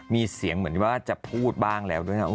มีเสียงเหมือนที่ว่าจะพูดบ้างแล้วเอง